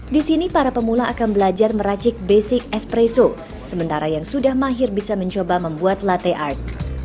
di sini para pemula akan belajar meracik basic espresso sementara yang sudah mahir bisa mencoba membuat latte art